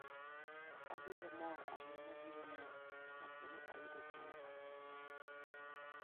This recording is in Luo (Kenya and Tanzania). abiro mor ahinya biro nene kapo ni ayudo thuolo